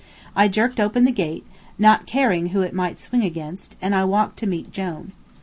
I jerked open the gate, not caring who it might swing against, and walked to meet Jone.